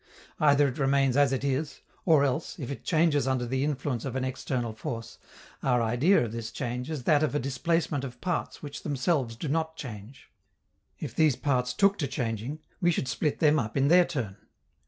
Either it remains as it is, or else, if it changes under the influence of an external force, our idea of this change is that of a displacement of parts which themselves do not change. If these parts took to changing, we should split them up in their turn.